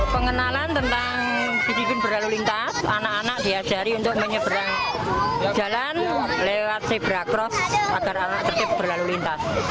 pengenalan tentang bibit berlalu lintas anak anak diajari untuk menyeberang jalan lewat zebra cross agar anak tertib berlalu lintas